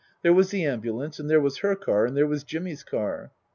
There was the ambulance, and there was her car and there was Jimmy's car.